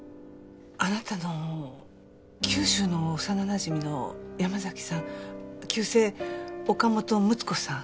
あなたの九州の幼なじみの山崎さん旧姓岡本睦子さん